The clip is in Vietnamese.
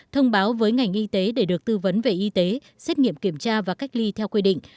thông báo với ngành y tế để được tư vấn về y tế xét nghiệm kiểm tra và cách ly theo quy định